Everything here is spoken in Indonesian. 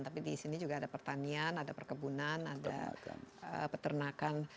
tapi di sini juga ada pertanian ada perkebunan ada peternakan